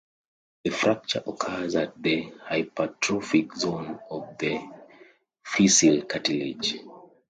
The fracture occurs at the hypertrophic zone of the physeal cartilage.